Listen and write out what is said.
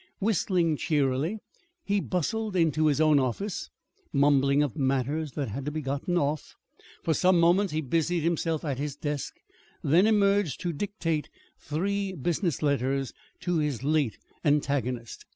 Whistling cheerily he bustled into his own office, mumbling of matters that had to be "gotten off." For some moments he busied himself at his desk, then emerged to dictate three business letters to his late antagonist.